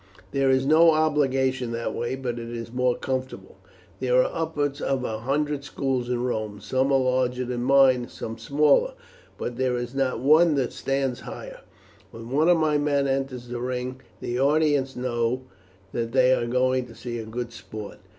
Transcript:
There is no obligation that way, but it is more comfortable. There are upwards of a hundred schools in Rome. Some are larger than mine, and some smaller, but there is not one that stands higher. When one of my men enters the ring the audience know that they are going to see good sport."